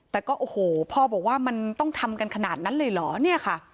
แต่ก็โอ้โหพ่อบอกว่ามันต้องทำกันขนาดนั้นเลยเหรอเนี่ยค่ะ